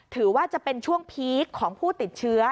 ถือว่าเป็นช่วงพีคของผู้ติดเชื้อ